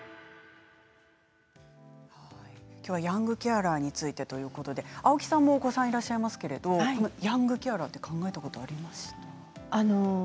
きょうはヤングケアラーについてということで青木さんもお子さんいらっしゃいますがヤングケアラーについて考えたことありますか。